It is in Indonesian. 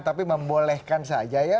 tapi membolehkan saja ya